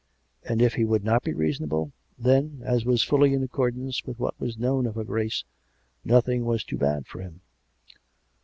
And if he would not be reasonable — then, as was fully in accordance with what was known of her Grace, nothing was too bad for him.